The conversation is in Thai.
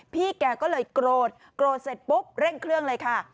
พี่แกก็เลยโกรธโกรธเสร็จปุ๊บเร่งเครื่องเลยค่ะ